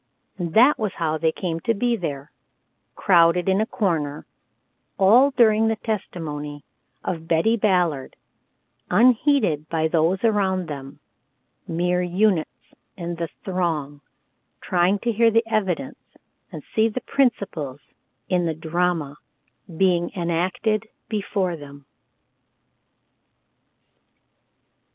And that was how they came to be there, crowded in a corner, all during the testimony of Betty Ballard, unheeded by those around them mere units in the throng trying to hear the evidence and see the principals in the drama being enacted before them.